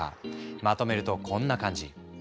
まとめるとこんな感じ。